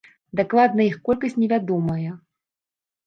Дакладная іх колькасць невядомая.